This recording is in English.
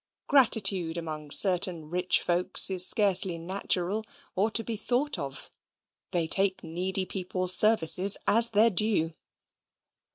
Gratitude among certain rich folks is scarcely natural or to be thought of. They take needy people's services as their due.